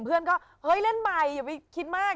พ่อเห็นเราเริ่มจิตตกแล้ว